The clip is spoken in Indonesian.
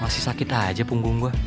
masih sakit aja punggung gue